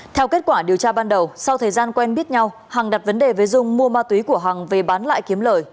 theo kết quả điều tra ban đầu sau thời gian quen biết nhau hằng đặt vấn đề với dung mua ma túy của hằng về bán lại kiếm lời